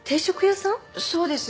そうです。